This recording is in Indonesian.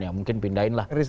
ya mungkin pindahin lah